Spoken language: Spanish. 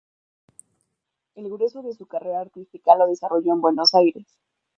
El grueso de su carrera artística lo desarrolló en Buenos Aires.